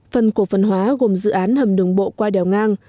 phần cổ phần hóa gồm dự án hầm đường bộ qua đèo ngang